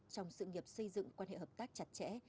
trong sự nghiệp xây dựng quan hệ hợp tác chặt chẽ